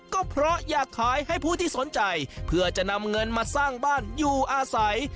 ก็เพราะอยากขายให้ผู้ที่สนใจเพื่อจะนำเงินมาสร้างบ้านอยู่อาศัย